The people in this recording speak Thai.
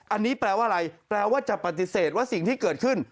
อันนี้แปลว่าอะไรแปลว่าจะปฏิเสธว่าสิ่งที่เกิดขึ้น